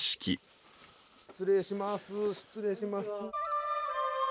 失礼します失礼します。